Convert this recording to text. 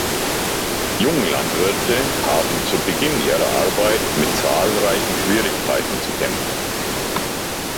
Junglandwirte haben zu Beginn ihrer Arbeit mit zahlreichen Schwierigkeiten zu kämpfen.